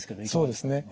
そうですね